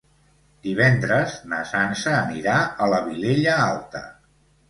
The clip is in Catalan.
Divendres na Sança anirà a la Vilella Alta.